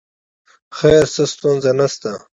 خیر څه ستونزه نه شته.